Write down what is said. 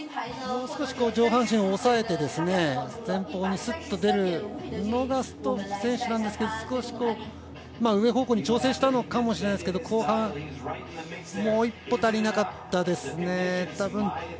もう少し上半身を押さえて前方にすっと出るのがストッフ選手なんですが少し上方向に調整したのかもしれないですが後半、もう一歩足りなかったですね。